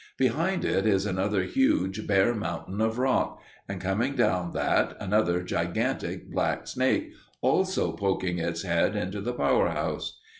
Behind it is another huge, bare mountain of rock; and coming down that, another gigantic black snake, also poking its head into the power house.